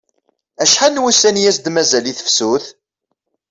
Acḥal n wussan i as-d-mazal i tefsut?